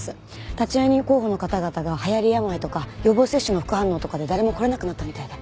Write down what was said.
立会人候補の方々が流行り病とか予防接種の副反応とかで誰も来られなくなったみたいで。